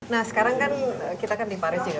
nah sekarang kan kita kan di paris ya